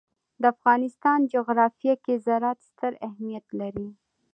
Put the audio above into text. د افغانستان جغرافیه کې زراعت ستر اهمیت لري.